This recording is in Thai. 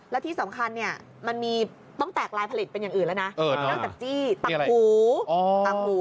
และที่สำคัญมันต้องแปลกลายผลิตเป็นอย่างอื่นแล้วไม่จับจี้ต่างหู